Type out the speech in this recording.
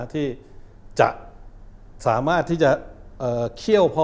ที่จะสามารถที่จะเคี่ยวพอ